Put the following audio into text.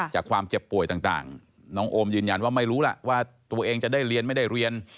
ความเจ็บป่วยต่างน้องโอมยืนยันว่าไม่รู้ล่ะว่าตัวเองจะได้เรียนไม่ได้เรียน